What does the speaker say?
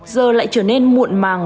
giờ lại trở nên muộn màng